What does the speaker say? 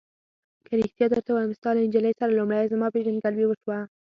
که رښتیا درته ووایم، ستا له نجلۍ سره لومړی زما پېژندګلوي وشوه.